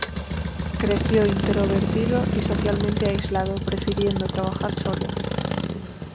Creció introvertido y socialmente aislado, prefiriendo trabajar solo.